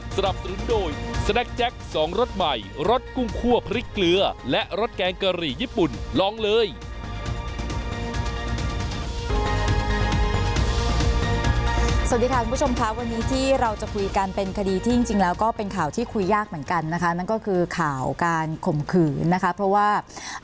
สวัสดีค่ะคุณผู้ชมค่ะวันนี้ที่เราจะคุยกันเป็นคดีที่จริงแล้วก็เป็นข่าวที่คุยยากเหมือนกันนะคะนั่นก็คือข่าวการข่มขืนนะคะเพราะว่า